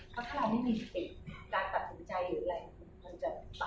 เพราะถ้าไม่มีสติการตัดสินใจหรืออะไรมันจะปล่อยไป